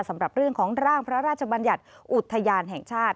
สำหรับเรื่องของร่างพระราชบัญญัติอุทยานแห่งชาติ